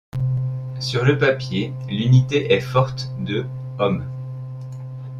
Sur le papier, l'unité est forte de hommes.